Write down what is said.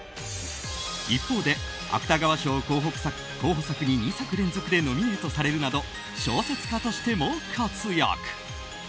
一方で芥川賞候補作に２作連続でノミネートされるなど小説家としても活躍。